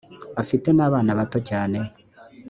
afite n abana bato cyane